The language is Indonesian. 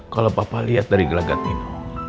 kalau papa lihat dari gelagat ini